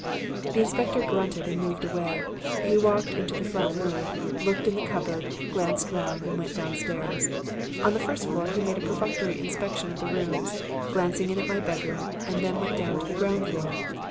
"The inspector grunted and moved away. He walked into the front room, looked in the cupboard, glanced round and went downstairs. On the first floor, he made a perfunctory inspection of the rooms, glancing in at my bedroom, and then went down to the ground floor.